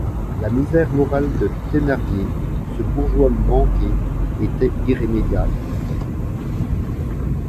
La misère morale de Thénardier, ce bourgeois manqué, était irrémédiable.